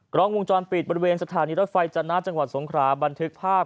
กล้องวงจรปิดบริเวณสถานีรถไฟจนะจังหวัดสงคราบันทึกภาพ